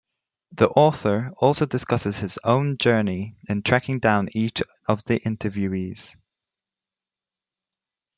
The author also discusses his own journey in tracking down each of the interviewees.